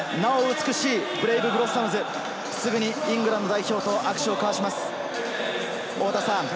美しいブレイブ・ブロッサムズ、すぐにイングランド代表と握手を交わします。